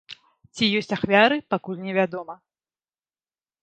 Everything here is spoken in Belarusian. Ці ёсць ахвяры, пакуль невядома.